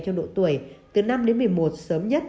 trong độ tuổi từ năm đến một mươi một sớm nhất